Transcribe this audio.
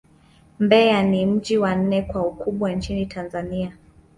Mbeya ni mji wa nne kwa ukubwa nchini Tanzania.